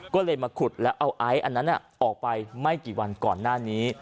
ก็เลยมาขุดแล้วเอาไอซ์อันนั้นออกไปไม่กี่วันก่อนหน้านี้